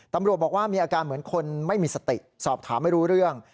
ตำรวจบอกว่ามีอาการเหมือนคนไม่มีสติสอบถามไม่รู้เรื่อง